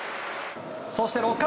そして６回。